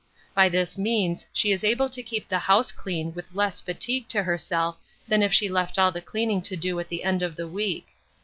By this means she is able to keep the house clean with less fatigue to herself than if she left all the cleaning to do at the end of the week.